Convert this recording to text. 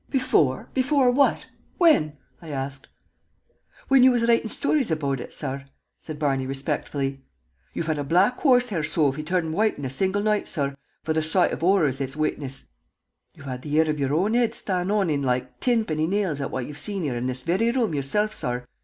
Before what? When?" I asked. "Whin you was writin' shtories about ut, sorr," said Barney, respectfully. "You've had a black horse hair sofy turn white in a single noight, sorr, for the soight of horror ut's witnessed. You've had the hair of your own head shtand on ind loike tinpenny nails at what you've seen here in this very room, yourself, sorr.